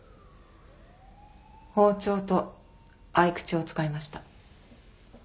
包丁と匕首を使いました。